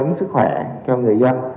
tư vấn sức khỏe cho người dân